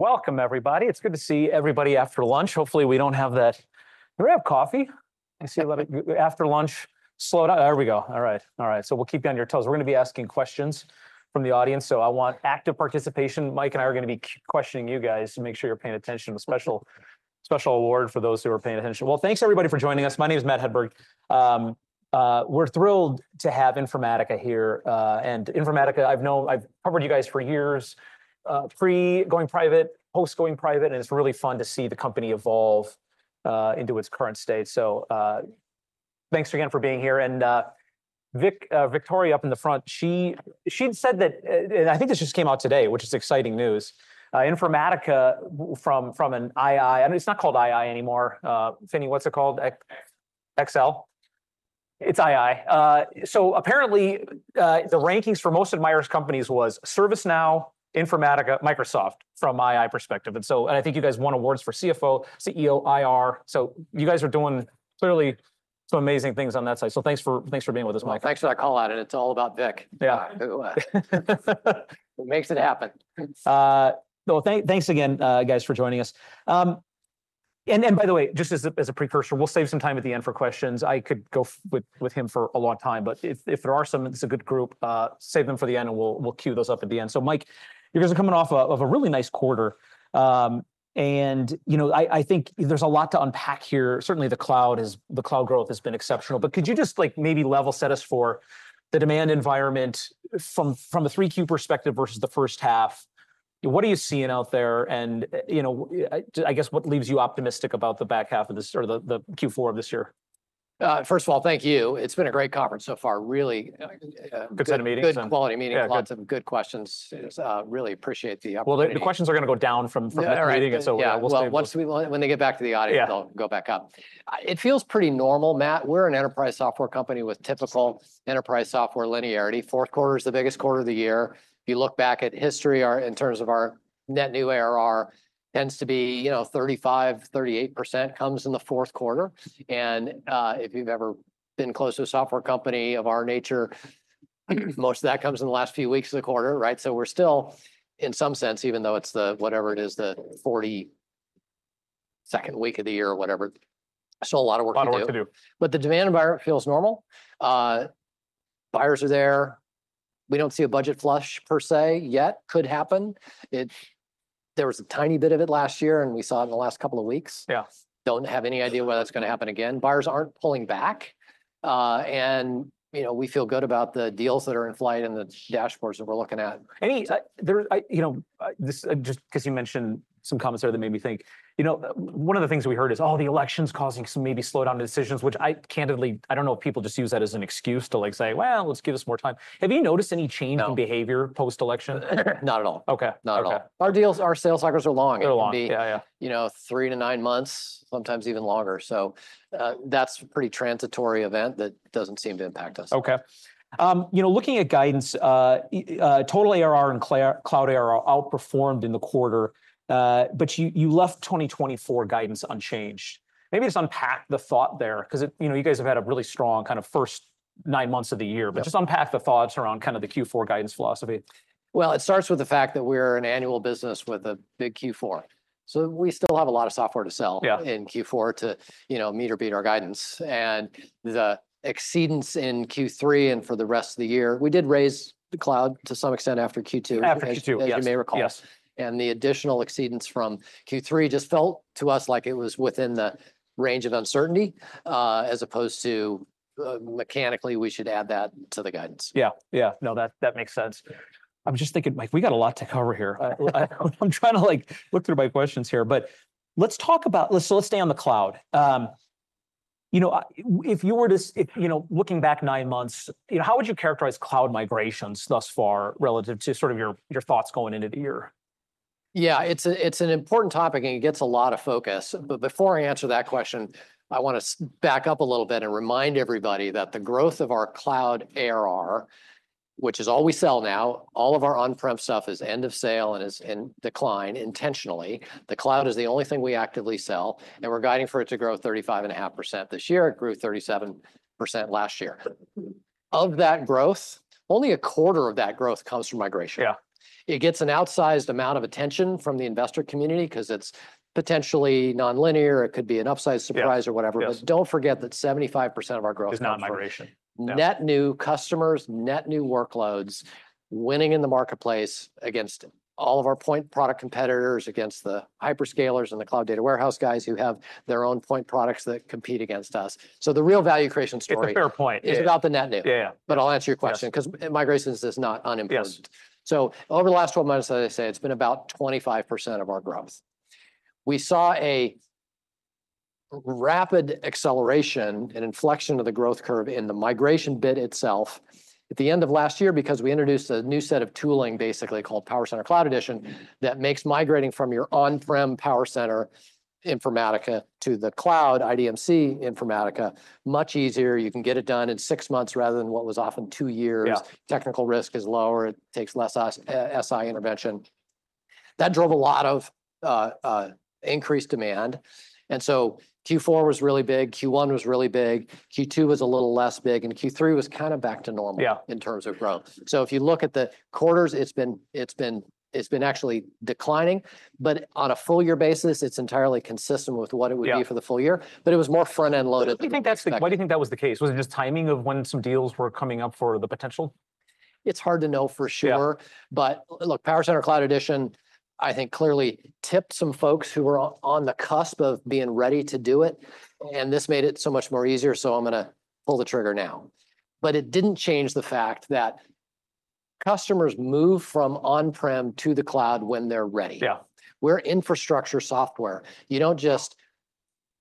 Welcome, everybody. It's good to see everybody after lunch. Hopefully, we don't have that. Do we have coffee? I see a lot of after lunch slow down. There we go. All right. All right. So we'll keep you on your toes. We're going to be asking questions from the audience. So I want active participation. Mike and I are going to be questioning you guys to make sure you're paying attention. A special, special award for those who are paying attention. Well, thanks, everybody, for joining us. My name is Matt Hedberg. We're thrilled to have Informatica here. And Informatica, I've known, I've covered you guys for years, pre-going private, post-going private. And it's really fun to see the company evolve into its current state. So thanks again for being here. And Victoria up in the front, she said that, and I think this just came out today, which is exciting news. Informatica from an II, I mean, it's not called II anymore. Finney, what's it called? Extel? It's II. So apparently, the rankings for most admired companies was ServiceNow, Informatica, Microsoft from my perspective. And so I think you guys won awards for CFO, CEO, IR. So you guys are doing clearly some amazing things on that side. So thanks for being with us, Mike. Thanks for that call out, and it's all about Vic who makes it happen. Well, thanks again guys for joining us. And by the way, just as a precursor, we'll save some time at the end for questions. I could go with him for a long time, but if there are some, it's a good group. Save them for the end and we'll queue those up at the end. So Mike, you're going to be coming off of a really nice quarter. And I think there's a lot to unpack here, certainly, the cloud growth has been exceptional. But could you just maybe level set us for the demand environment from a Q3 perspective versus the first half? What are you seeing out there? And I guess what leaves you optimistic about the back half of this or the Q4 of this year? First of all, thank you. It's been a great conference so far really. Good set of meetings. Good quality meetings, lots of good questions, I really appreciate the opportunity. The questions are going to go down from the meeting. Yeah, once they get back to the audience, they'll go back up. It feels pretty normal, Matt. We're an enterprise software company with typical enterprise software linearity. Q4 is the biggest quarter of the year. If you look back at history in terms of our net new ARR, tends to be 35%-38% comes in the Q4. And if you've ever been close to a software company of our nature, most of that comes in the last few weeks of the quarter, right? So we're still in some sense, even though it's the whatever it is, the 42nd week of the year or whatever. So a lot of work to do. But the demand environment feels normal? Buyers are there. We don't see a budget flush per se yet. Could happen. There was a tiny bit of it last year and we saw it in the last couple of weeks. Yeah. Don't have any idea whether it's going to happen again. Buyers aren't pulling back, and we feel good about the deals that are in flight and the dashboards that we're looking at. Just because you mentioned some comments there that made me think, you know, one of the things we heard is, "Oh, the election's causing some maybe slowdown decisions", which I candidly, I don't know if people just use that as an excuse to say, "Well, let's give us more time." Have you noticed any change in behavior post-election? Not at all. Okay. Not at all. Our deals, our sales cycles are long. They're long. Three to nine months, sometimes even longer. So that's a pretty transitory event that doesn't seem to impact us. Okay. Looking at guidance, total ARR and cloud ARR outperformed in the quarter, but you left 2024 guidance unchanged. Maybe just unpack the thought there because you guys have had a really strong kind of first nine months of the year, but just unpack the thoughts around kind of the Q4 guidance philosophy. Well, it starts with the fact that we're an annual business with a big Q4. We still have a lot of software to sell in Q4 to meet or beat our guidance. The acceleration in Q3 and for the rest of the year, we did raise the cloud to some extent after Q2, as you may recall. The additional acceleration from Q3 just felt to us like it was within the range of uncertainty as opposed to mechanically we should add that to the guidance. Yeah. Yeah. No, that makes sense. I'm just thinking, Mike, we got a lot to cover here. I'm trying to look through my questions here, but let's talk about, so let's stay on the cloud. If you were to, looking back nine months, how would you characterize cloud migrations thus far relative to sort of your thoughts going into the year? Yeah, it's an important topic and it gets a lot of focus. But before I answer that question, I want to back up a little bit and remind everybody that the growth of our cloud ARR, which is all we sell now, all of our on-prem stuff is end of sale and is in decline intentionally. The cloud is the only thing we actively sell. And we're guiding for it to grow 35.5% this year. It grew 37% last year. Of that growth, only a quarter of that growth comes from migration. It gets an outsized amount of attention from the investor community because it's potentially non-linear. It could be an upsized surprise or whatever. But don't forget that 75% of our growth is not migration. Net new customers, net new workloads, winning in the marketplace against all of our point product competitors, against the hyperscalers and the cloud data warehouse guys who have their own point products that compete against us. So the real value creation story. It's a fair point. It's about the net new. Yeah. But I'll answer your question because migration is not unimportant, so over the last 12 months, as I say, it's been about 25% of our growth. We saw a rapid acceleration and inflection of the growth curve in the migration bit itself at the end of last year because we introduced a new set of tooling basically called PowerCenter Cloud Edition that makes migrating from your on-prem PowerCenter Informatica to the cloud IDMC Informatica much easier. You can get it done in six months rather than what was often two years. Technical risk is lower. It takes less SI intervention. That drove a lot of increased demand, and so Q4 was really big. Q1 was really big. Q2 was a little less big. And Q3 was kind of back to normal in terms of growth. So if you look at the quarters, it's been actually declining. But on a full year basis, it's entirely consistent with what it would be for the full year. But it was more front-end loaded. Why do you think that was the case? Was it just timing of when some deals were coming up for the potential? It's hard to know for sure, but look, PowerCenter Cloud Edition, I think clearly tipped some folks who were on the cusp of being ready to do it, and this made it so much more easier, so I'm going to pull the trigger now, but it didn't change the fact that customers move from on-prem to the cloud when they're ready. We're infrastructure software. You don't just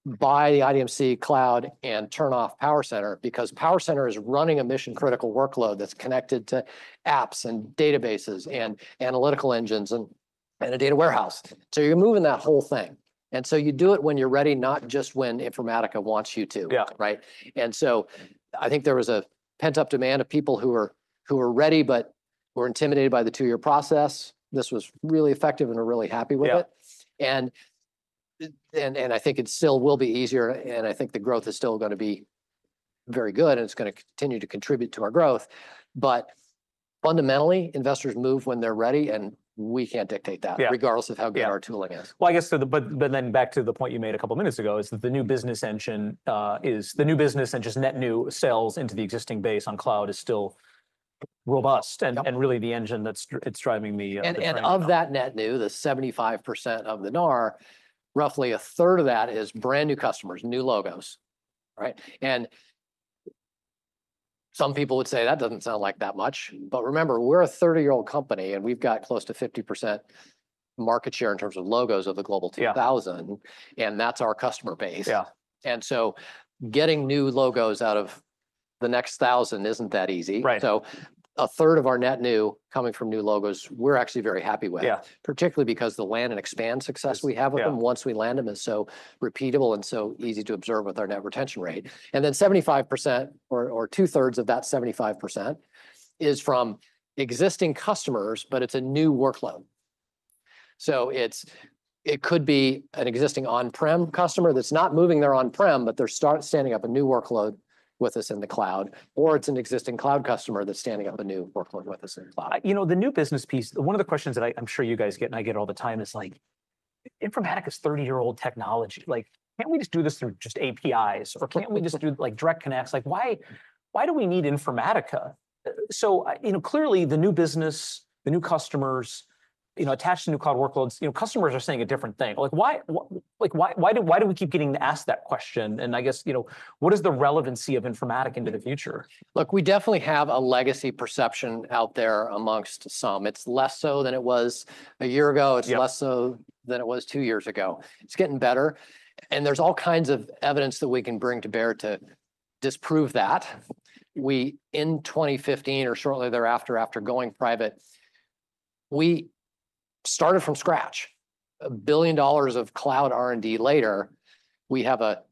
buy the IDMC cloud and turn off PowerCenter because PowerCenter is running a mission-critical workload that's connected to apps and databases and analytical engines and a data warehouse, so you're moving that whole thing, and so you do it when you're ready, not just when Informatica wants you to, and so I think there was a pent-up demand of people who are ready but were intimidated by the two-year process. This was really effective and we're really happy with it. I think it still will be easier. I think the growth is still going to be very good. It's going to continue to contribute to our growth. Fundamentally, investors move when they're ready. We can't dictate that regardless of how good our tooling is. Well, I guess, but then back to the point you made a couple of minutes ago is that the new business engine is the new business and just net new sales into the existing base on cloud is still robust. And really the engine that's driving the. Of that net new, the 75% of the NAR, roughly a third of that is brand new customers, new logos. Some people would say that doesn't sound like that much. Remember, we're a 30-year-old company. We've got close to 50% market share in terms of logos of the global 2,000. That's our customer base. Getting new logos out of the next 1,000 isn't that easy. A third of our net new coming from new logos, we're actually very happy with. Particularly because the land and expand success we have with them once we land them is so repeatable and so easy to observe with our net retention rate. Then 75% or two-thirds of that 75% is from existing customers, but it's a new workload. So it could be an existing on-prem customer that's not moving their on-prem, but they're starting up a new workload with us in the cloud. Or it's an existing cloud customer that's standing up a new workload with us in the cloud. You know, the new business piece, one of the questions that I'm sure you guys get, and I get all the time is like, Informatica is 30-year-old technology. Can't we just do this through just APIs? Or can't we just do direct connects? Why do we need Informatica? So clearly, the new business, the new customers attached to new cloud workloads, customers are saying a different thing. Why do we keep getting asked that question? And I guess, what is the relevancy of Informatica into the future? Look, we definitely have a legacy perception out there amongst some. It's less so than it was a year ago. It's less so than it was two years ago. It's getting better, and there's all kinds of evidence that we can bring to bear to disprove that. In 2015 or shortly thereafter, after going private, we started from scratch. $1 billion of cloud R&D later, we have a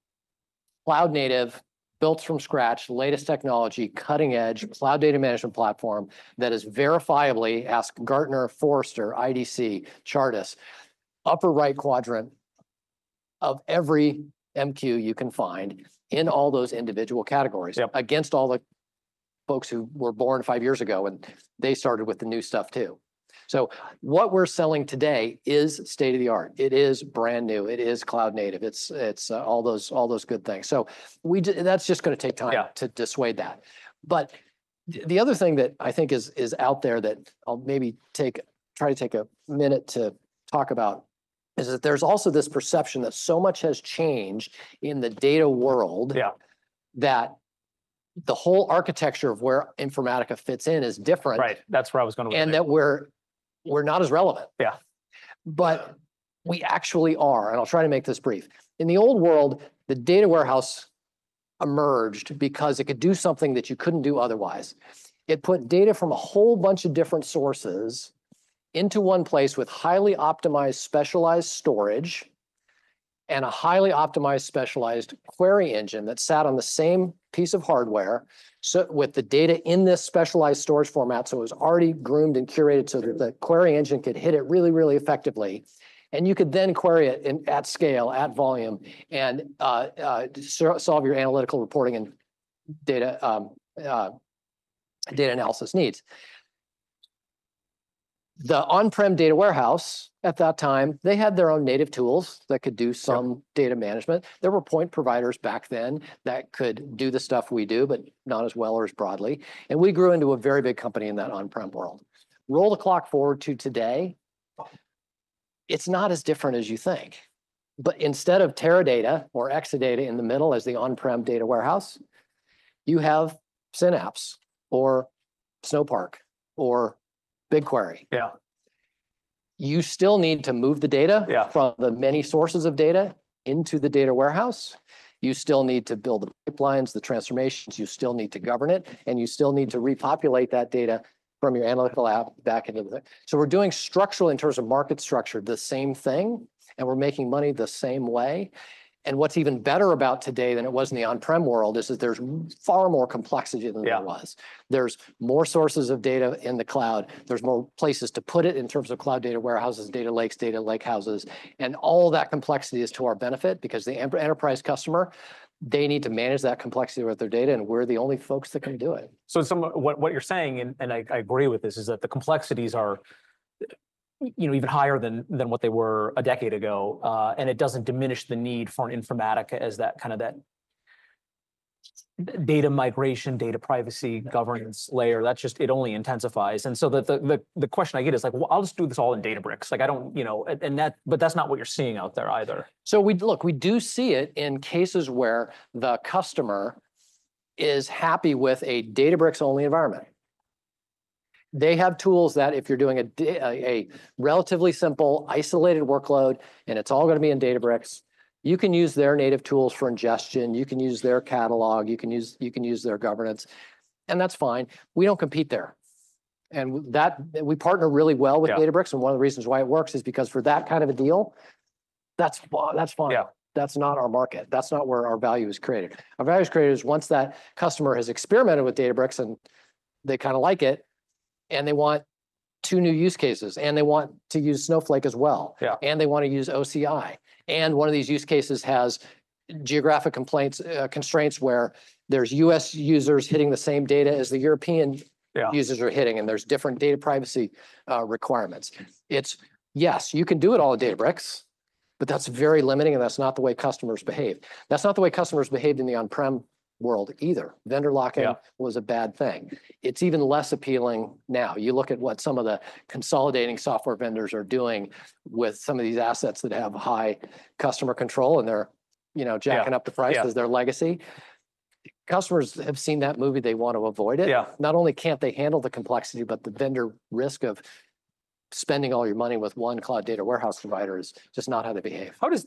cloud native, built from scratch, latest technology, cutting-edge cloud data management platform that is verifiably, ask Gartner, Forrester, IDC, Chartis, upper right quadrant of every MQ you can find in all those individual categories against all the folks who were born five years ago, and they started with the new stuff too, so what we're selling today is state of the art. It is brand new. It is cloud native. It's all those good things. So that's just going to take time to dissuade that. But the other thing that I think is out there that I'll maybe try to take a minute to talk about is that there's also this perception that so much has changed in the data world that the whole architecture of where Informatica fits in is different. Right. That's where I was going with that. That we're not as relevant. But we actually are. I'll try to make this brief. In the old world, the data warehouse emerged because it could do something that you couldn't do otherwise. It put data from a whole bunch of different sources into one place with highly optimized specialized storage and a highly optimized specialized query engine that sat on the same piece of hardware with the data in this specialized storage format. So it was already groomed and curated so that the query engine could hit it really, really effectively. And you could then query it at scale, at volume, and solve your analytical reporting and data analysis needs. The on-prem data warehouse at that time, they had their own native tools that could do some data management. There were point providers back then that could do the stuff we do, but not as well or as broadly. And we grew into a very big company in that on-prem world. Roll the clock forward to today, it's not as different as you think. But instead of Teradata or Exadata in the middle as the on-prem data warehouse, you have Synapse or Snowpark or BigQuery. Yeah, you still need to move the data from the many sources of data into the data warehouse. You still need to build the pipelines, the transformations. You still need to govern it. And you still need to repopulate that data from your analytical app back into the thing. So we're doing structurally in terms of market structure the same thing. And we're making money the same way. And what's even better about today than it was in the on-prem world is that there's far more complexity than there was. There's more sources of data in the cloud. There's more places to put it in terms of cloud data warehouses, data lakes, data lakehouses. And all that complexity is to our benefit because the enterprise customer, they need to manage that complexity with their data. And we're the only folks that can do it. So what you're saying, and I agree with this, is that the complexities are even higher than what they were a decade ago. And it doesn't diminish the need for Informatica as that kind of data migration, data privacy, governance layer. It only intensifies. And so the question I get is like, well, I'll just do this all in Databricks. But that's not what you're seeing out there either. So look, we do see it in cases where the customer is happy with a Databricks-only environment. They have tools that if you're doing a relatively simple isolated workload, and it's all going to be in Databricks, you can use their native tools for ingestion. You can use their catalog. You can use their governance. And that's fine. We don't compete there. And we partner really well with Databricks. And one of the reasons why it works is because for that kind of a deal, that's fine. That's not our market. That's not where our value is created. Our value is created once that customer has experimented with Databricks and they kind of like it, and they want two new use cases, and they want to use Snowflake as well, and they want to use OCI. And one of these use cases has geographic constraints where there's US users hitting the same data as the European users are hitting. And there's different data privacy requirements. Yes, you can do it all at Databricks, but that's very limiting. And that's not the way customers behave. That's not the way customers behaved in the on-prem world either. Vendor lock-in was a bad thing. It's even less appealing now. You look at what some of the consolidating software vendors are doing with some of these assets that have high customer control. And they're jacking up the price as their legacy customers have seen that movie. They want to avoid it. Not only can't they handle the complexity, but the vendor risk of spending all your money with one cloud data warehouse provider is just not how they behave. How does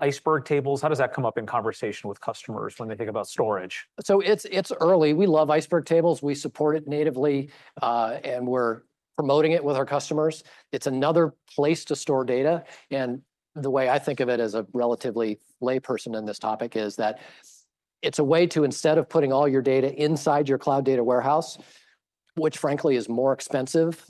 Iceberg tables come up in conversation with customers when they think about storage? So it's early. We love iceberg tables. We support it natively. And we're promoting it with our customers. It's another place to store data. And the way I think of it as a relatively layperson in this topic is that it's a way to, instead of putting all your data inside your cloud data warehouse, which frankly is more expensive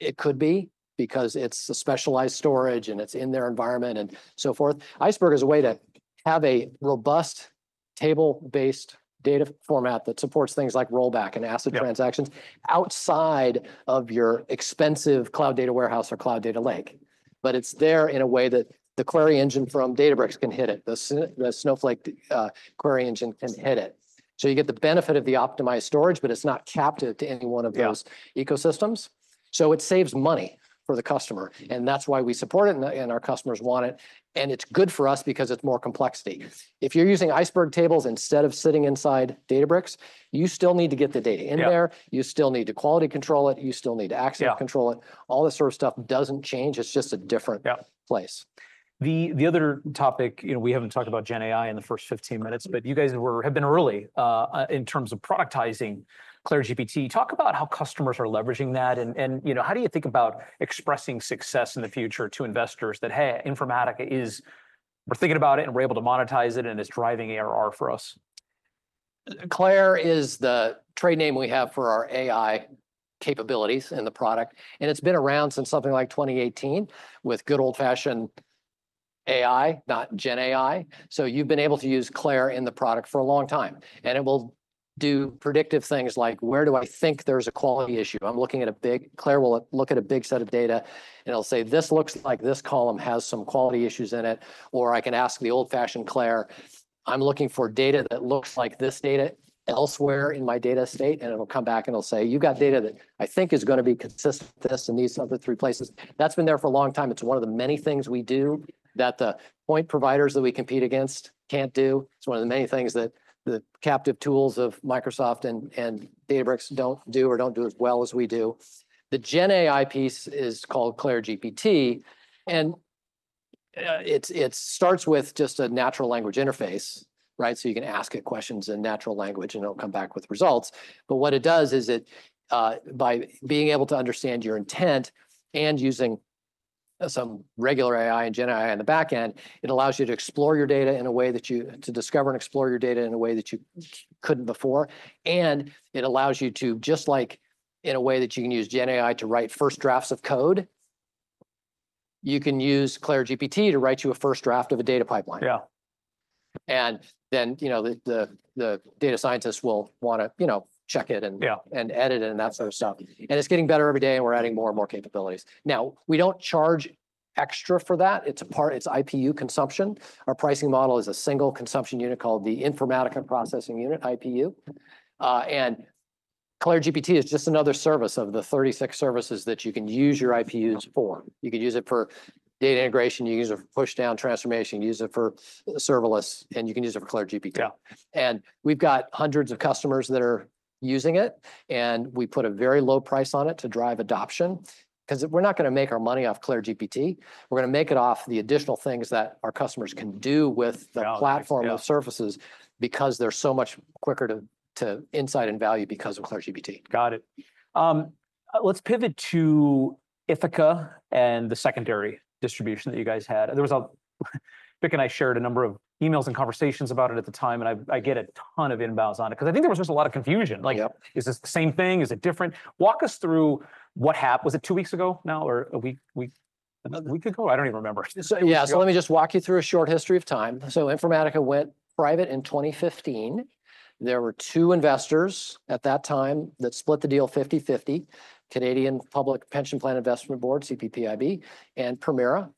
than it could be because it's a specialized storage and it's in their environment and so forth, iceberg is a way to have a robust table-based data format that supports things like rollback and ACID transactions outside of your expensive cloud data warehouse or cloud data lake. But it's there in a way that the query engine from Databricks can hit it. The Snowflake query engine can hit it. So you get the benefit of the optimized storage, but it's not captive to any one of those ecosystems. So it saves money for the customer. And that's why we support it. And our customers want it. And it's good for us because it's more complexity. If you're using iceberg tables instead of sitting inside Databricks, you still need to get the data in there. You still need to quality control it. You still need to access control it. All this sort of stuff doesn't change. It's just a different place. The other topic, we haven't talked about Gen AI in the first 15 minutes, but you guys have been early in terms of productizing CLAIRE GPT. Talk about how customers are leveraging that. And how do you think about expressing success in the future to investors that, hey, Informatica is, we're thinking about it, and we're able to monetize it, and it's driving ARR for us? CLAIRE is the trade name we have for our AI capabilities in the product. It's been around since something like 2018 with good old-fashioned AI, not Gen AI. You've been able to use CLAIRE in the product for a long time. It will do predictive things like, where do I think there's a quality issue? I'm looking at a big [dataset]. CLAIRE will look at a big set of data. It'll say, this looks like this column has some quality issues in it. Or I can ask the old-fashioned CLAIRE, I'm looking for data that looks like this data elsewhere in my data estate. It'll come back. It'll say, you've got data that I think is going to be consistent with this in these other three places. That's been there for a long time. It's one of the many things we do that the point providers that we compete against can't do. It's one of the many things that the captive tools of Microsoft and Databricks don't do or don't do as well as we do. The Gen AI piece is called CLAIRE GPT. And it starts with just a natural language interface. So you can ask it questions in natural language. And it'll come back with results. But what it does is that by being able to understand your intent and using some regular AI and Gen AI on the back end, it allows you to discover and explore your data in a way that you couldn't before. It allows you to, just like in a way that you can use Gen AI to write first drafts of code, you can use CLAIRE GPT to write you a first draft of a data pipeline. Yeah. And then the data scientists will want to check it and edit it and that sort of stuff. And it's getting better every day. And we're adding more and more capabilities. Now, we don't charge extra for that. It's IPU consumption. Our pricing model is a single consumption unit called the Informatica Processing Unit, IPU. And CLAIRE GPT is just another service of the 36 services that you can use your IPUs for. You can use it for data integration. You can use it for push-down transformation. You can use it for serverless. And you can use it for CLAIRE GPT. And we've got hundreds of customers that are using it. We put a very low price on it to drive adoption. Because we're not going to make our money off CLAIRE GPT. We're going to make it off the additional things that our customers can do with the platform of services because they're so much quicker to insight and value because of CLAIRE GPT. Got it. Let's pivot to Ithaca and the secondary distribution that you guys had. Vic and I shared a number of emails and conversations about it at the time, and I get a ton of inbounds on it. Because I think there was just a lot of confusion. Is this the same thing? Is it different? Walk us through what happened. Was it two weeks ago now or a week ago? I don't even remember. Yeah. So let me just walk you through a short history of time. So Informatica went private in 2015. There were two investors at that time that split the deal 50/50, Canada Pension Plan Investment Board, CPPIB, and Permira.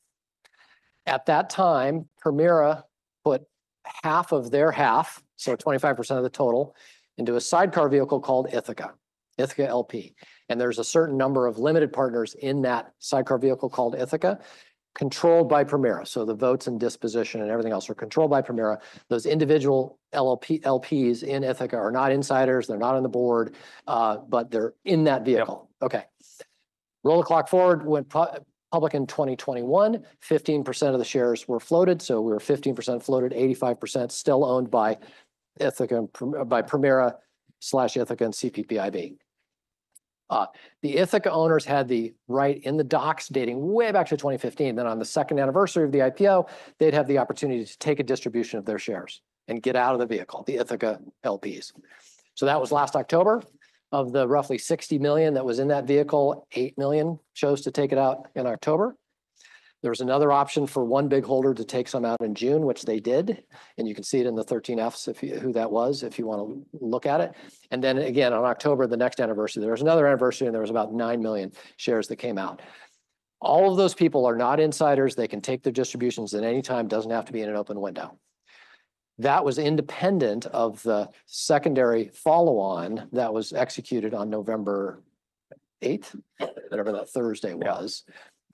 At that time, Permira put half of their half, so 25% of the total, into a sidecar vehicle called Ithaca, Ithaca LP. And there's a certain number of limited partners in that sidecar vehicle called Ithaca controlled by Permira. So the votes and disposition and everything else are controlled by Permira. Those individual LPs in Ithaca are not insiders. They're not on the board. But they're in that vehicle. Roll the clock forward. Went public in 2021. 15% of the shares were floated. So we were 15% floated, 85% still owned by Permira/Ithaca and CPPIB. The Ithaca owners had the right in the docs dating way back to 2015. Then on the second anniversary of the IPO, they'd have the opportunity to take a distribution of their shares and get out of the vehicle, the Ithaca LPs. So that was last October of the roughly 60 million that was in that vehicle. Eight million chose to take it out in October. There was another option for one big holder to take some out in June, which they did. And you can see it in the 13Fs who that was if you want to look at it. And then again, on October, the next anniversary, there was another anniversary. And there was about nine million shares that came out. All of those people are not insiders. They can take their distributions at any time. It doesn't have to be in an open window. That was independent of the secondary follow-on that was executed on November 8, whatever that Thursday was.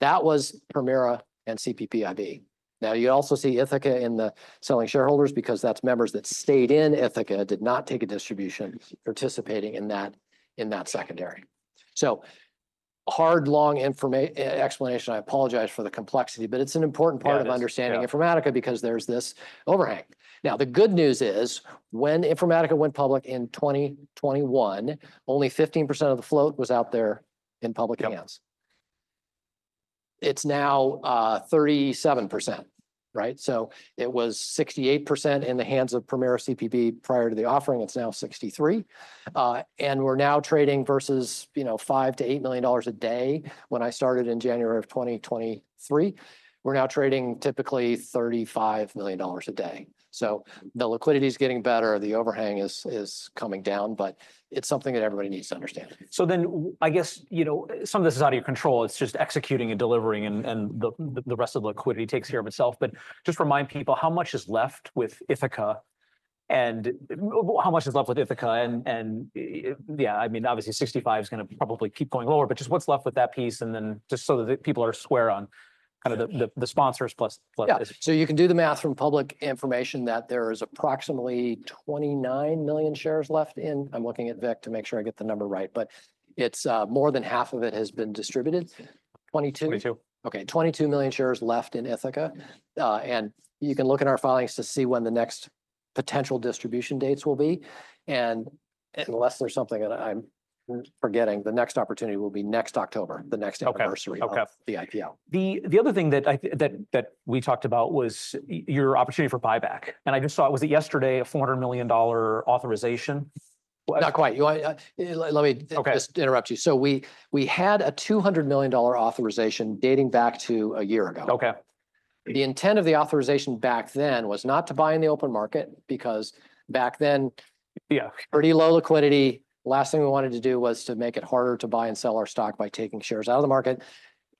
That was Permira and CPPIB. Now, you also see Ithaca in the selling shareholders because that's members that stayed in Ithaca did not take a distribution participating in that secondary. So hard, long explanation. I apologize for the complexity. But it's an important part of understanding Informatica because there's this overhang. Now, the good news is when Informatica went public in 2021, only 15% of the float was out there in public hands. It's now 37%. So it was 68% in the hands of Permira CPPIB prior to the offering. It's now 63%. And we're now trading versus $5-$8 million a day. When I started in January of 2023, we're now trading typically $35 million a day. So the liquidity is getting better. The overhang is coming down. But it's something that everybody needs to understand. So then I guess some of this is out of your control. It's just executing and delivering. And the rest of the liquidity takes care of itself. But just remind people how much is left with Ithaca and how much is left with Ithaca. And yeah, I mean, obviously, 65 is going to probably keep going lower. But just what's left with that piece and then just so that people are square on kind of the sponsors plus? Yeah. So you can do the math from public information that there is approximately 29 million shares left in. I'm looking at Vic to make sure I get the number right. But more than half of it has been distributed. 22 million shares left in Ithaca. And you can look at our filings to see when the next potential distribution dates will be. And unless there's something that I'm forgetting, the next opportunity will be next October, the next anniversary of the IPO. The other thing that we talked about was your opportunity for buyback. And I just saw it was yesterday, a $400 million authorization. Not quite. Let me just interrupt you. So we had a $200 million authorization dating back to a year ago. The intent of the authorization back then was not to buy in the open market because back then, pretty low liquidity. Last thing we wanted to do was to make it harder to buy and sell our stock by taking shares out of the market,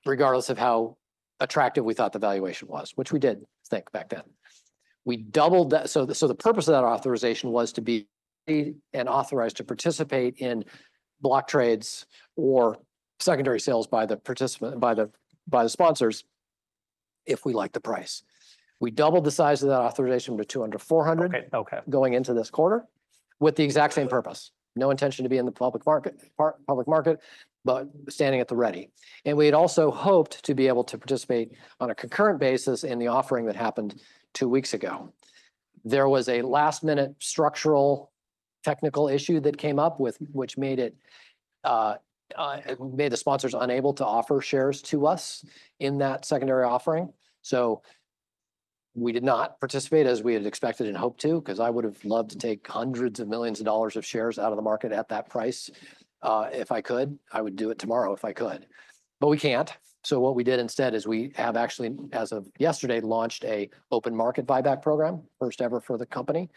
regardless of how attractive we thought the valuation was, which we did think back then. So the purpose of that authorization was to be authorized to participate in block trades or secondary sales by the sponsors if we like the price. We doubled the size of that authorization to $200 million-$400 million going into this quarter with the exact same purpose. No intention to be in the public market, but standing at the ready. And we had also hoped to be able to participate on a concurrent basis in the offering that happened two weeks ago. There was a last-minute structural technical issue that came up, which made the sponsors unable to offer shares to us in that secondary offering. So we did not participate as we had expected and hoped to because I would have loved to take hundreds of millions of dollars of shares out of the market at that price. If I could, I would do it tomorrow if I could. But we can't. So what we did instead is we have actually, as of yesterday, launched an open market buyback program, first ever for the company.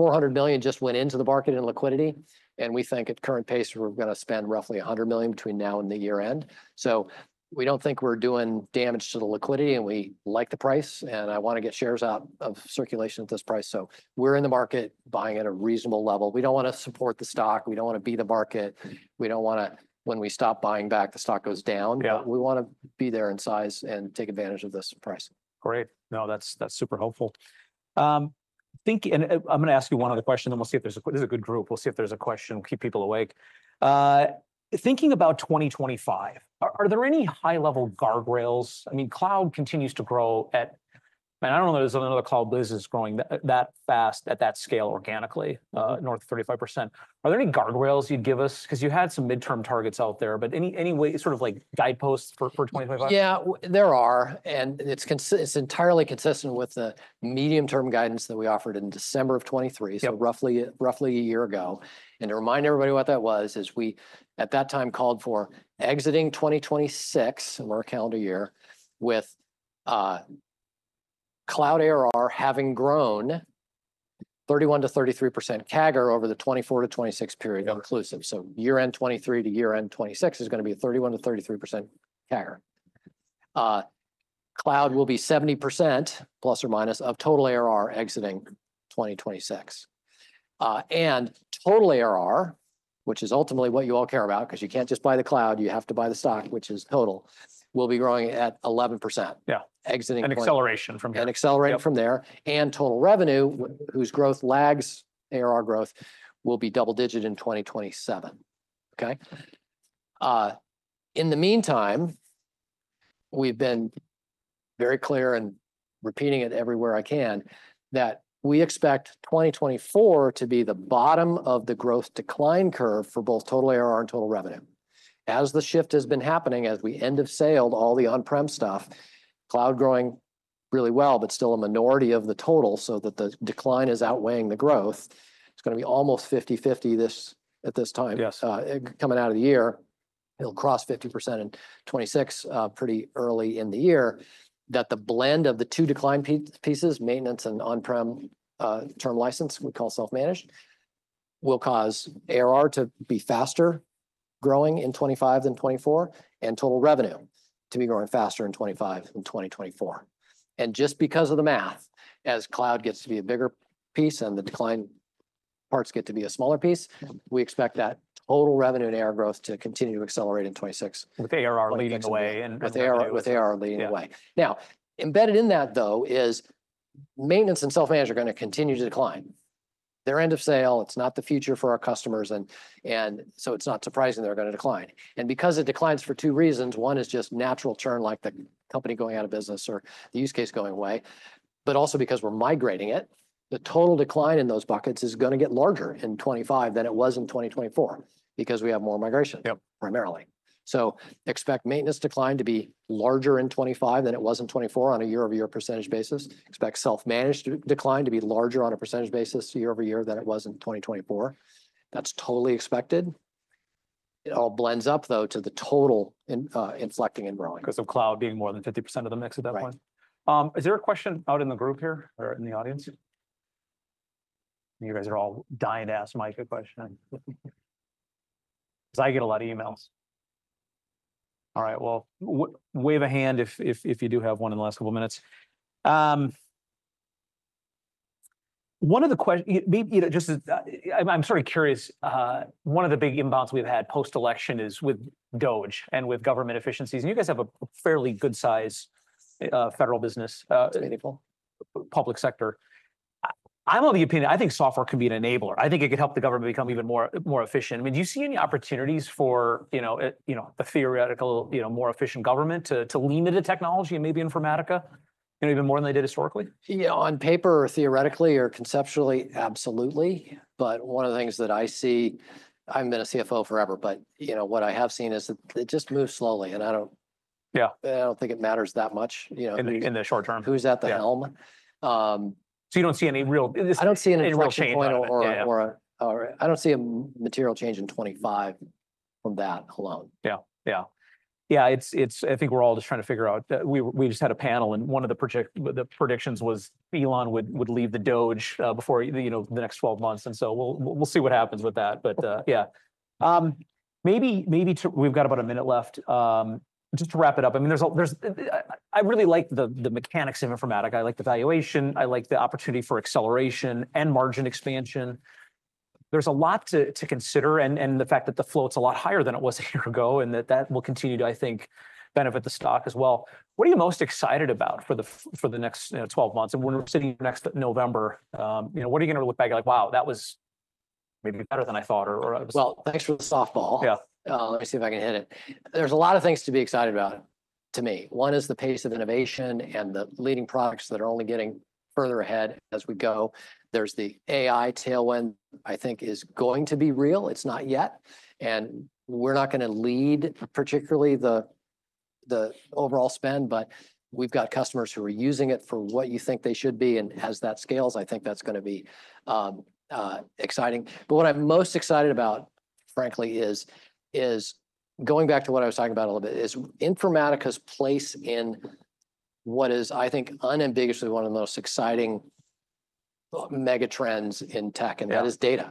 $400 million just went into the market in liquidity. And we think at current pace, we're going to spend roughly $100 million between now and the year end. So we don't think we're doing damage to the liquidity. And we like the price. And I want to get shares out of circulation at this price. So we're in the market buying at a reasonable level. We don't want to support the stock. We don't want to beat the market. We don't want to, when we stop buying back, the stock goes down. We want to be there in size and take advantage of this price. Great. No, that's super helpful. I'm going to ask you one other question. Then we'll see if there's a good group. We'll see if there's a question. We'll keep people awake. Thinking about 2025, are there any high-level guardrails? I mean, cloud continues to grow at, and I don't know that there's another cloud business growing that fast at that scale organically, north of 35%. Are there any guardrails you'd give us? Because you had some midterm targets out there. But any sort of guideposts for 2025? Yeah, there are. And it's entirely consistent with the medium-term guidance that we offered in December of 2023, so roughly a year ago. And to remind everybody what that was, is we at that time called for exiting 2026, and we're a calendar year, with Cloud ARR having grown 31%-33% CAGR over the 2024 to 2026 period inclusive. So year-end 2023 to year-end 2026 is going to be a 31%-33% CAGR. Cloud will be 70% plus or minus of total ARR exiting 2026. And total ARR, which is ultimately what you all care about because you can't just buy the cloud. You have to buy the stock, which is total, will be growing at 11%. Yeah, and acceleration from there. And accelerating from there. And total revenue, whose growth lags ARR growth, will be double-digit in 2027. In the meantime, we've been very clear and repeating it everywhere I can that we expect 2024 to be the bottom of the growth decline curve for both total ARR and total revenue. As the shift has been happening, as we end of sale to all the on-prem stuff, cloud growing really well, but still a minority of the total. So that the decline is outweighing the growth. It's going to be almost 50/50 at this time. Coming out of the year, it'll cross 50% in 2026 pretty early in the year. That the blend of the two decline pieces, maintenance and on-prem term license, we call self-managed, will cause ARR to be faster growing in 2025 than 2024 and total revenue to be growing faster in 2025 than 2024. Just because of the math, as cloud gets to be a bigger piece and the decline parts get to be a smaller piece, we expect that total revenue and ARR growth to continue to accelerate in 2026. With ARR leading the way. With ARR leading the way. Now, embedded in that, though, is maintenance and self-managed are going to continue to decline. They're end of sale. It's not the future for our customers, and so it's not surprising they're going to decline, and because it declines for two reasons. One is just natural churn, like the company going out of business or the use case going away, but also because we're migrating it, the total decline in those buckets is going to get larger in 2025 than it was in 2024 because we have more migration, primarily, so expect maintenance decline to be larger in 2025 than it was in 2024 on a year-over-year percentage basis. Expect self-managed decline to be larger on a percentage basis year-over-year than it was in 2024. That's totally expected. It all blends up, though, to the total inflecting and growing. Because of cloud being more than 50% of the mix at that point. Is there a question out in the group here or in the audience? You guys are all dying to ask Mike a question. Because I get a lot of emails. All right. Well, wave a hand if you do have one in the last couple of minutes. One of the questions, just I'm sort of curious. One of the big inbounds we've had post-election is with DOGE and with government efficiencies. And you guys have a fairly good-sized federal business, public sector. I'm of the opinion I think software can be an enabler. I think it could help the government become even more efficient. I mean, do you see any opportunities for the theoretical, more efficient government to lean into technology and maybe Informatica even more than they did historically? Yeah. On paper or theoretically or conceptually, absolutely. But one of the things that I see, I've been a CFO forever. But what I have seen is that it just moves slowly. And I don't think it matters that much. In the short term. Who's at the helm. So you don't see any real. I don't see any real change. I don't see a material change in 2025 from that alone. Yeah, yeah, yeah. I think we're all just trying to figure out. We just had a panel, and one of the predictions was Elon Musk would leave the DOGE before the next 12 months. So we'll see what happens with that. But yeah, maybe we've got about a minute left. Just to wrap it up, I mean, I really like the mechanics of Informatica. I like the valuation. I like the opportunity for acceleration and margin expansion. There's a lot to consider. The fact that the float's a lot higher than it was a year ago and that that will continue to, I think, benefit the stock as well. What are you most excited about for the next 12 months? When we're sitting next November, what are you going to look back like, wow, that was maybe better than I thought or. Well, thanks for the softball. Let me see if I can hit it. There's a lot of things to be excited about to me. One is the pace of innovation and the leading products that are only getting further ahead as we go. There's the AI tailwind, I think, is going to be real. It's not yet. And we're not going to lead particularly the overall spend. But we've got customers who are using it for what you think they should be. And as that scales, I think that's going to be exciting. But what I'm most excited about, frankly, is going back to what I was talking about a little bit, is Informatica's place in what is, I think, unambiguously one of the most exciting mega trends in tech. And that is data.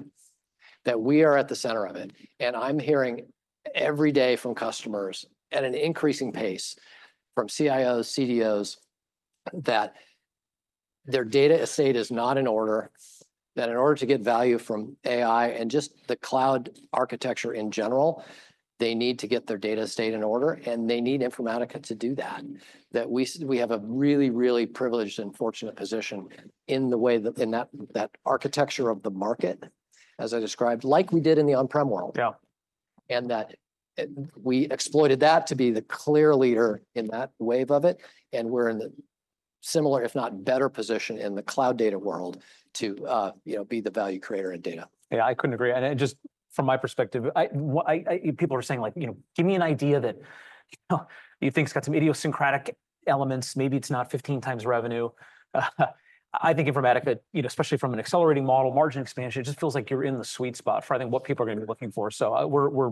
That we are at the center of it. And I'm hearing every day from customers at an increasing pace from CIOs, CDOs that their data estate is not in order. That in order to get value from AI and just the cloud architecture in general, they need to get their data estate in order. And they need Informatica to do that. That we have a really, really privileged and fortunate position in that architecture of the market, as I described, like we did in the on-prem world. And that we exploited that to be the clear leader in that wave of it. And we're in the similar, if not better position in the cloud data world to be the value creator in data. Yeah, I couldn't agree. And just from my perspective, people are saying, like, give me an idea that you think's got some idiosyncratic elements. Maybe it's not 15 times revenue. I think Informatica, especially from an accelerating model, margin expansion, it just feels like you're in the sweet spot for, I think, what people are going to be looking for. So we're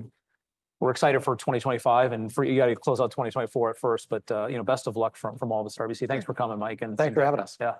excited for 2025. And you got to close out 2024 at first. But best of luck from all of us at RBC. Thanks for coming, Mike. Thanks for having us.